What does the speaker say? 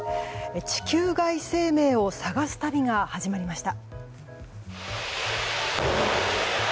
地球外生命を探す旅が始まりました。